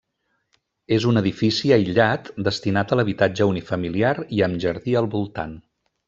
És un edifici aïllat destinat a l'habitatge unifamiliar i amb jardí al voltant.